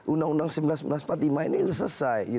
undang undang seribu sembilan ratus empat puluh lima ini sudah selesai